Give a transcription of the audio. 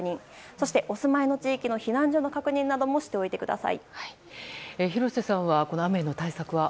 そして、お住まいの地域の避難所の確認なども廣瀬さんは雨の対策は？